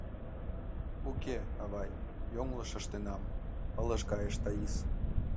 — Уке, авай, йоҥылыш ыштенам, — ылыж кайыш Таис.